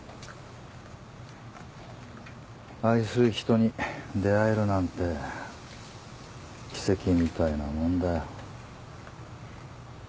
愛する人に出会えるなんて奇跡みたいなもんだよ。